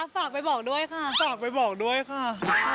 ทำอะไรดีครับฝากไปบอกด้วยค่ะ